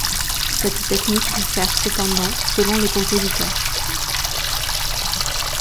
Cette technique diffère, cependant, selon les compositeurs.